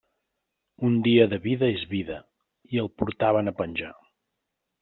Un dia de vida és vida; i el portaven a penjar.